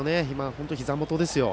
本当に、ひざ元ですよ。